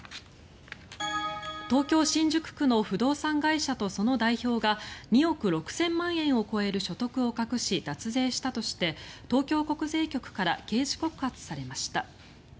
東京・新宿区の不動産会社とその代表が２億６０００万円を超える所得を隠し、脱税したとして東京国税局から刑事告発されました。